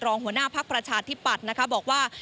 รองหัวหน้าภาคประชาชน์ที่ปัดบอกว่า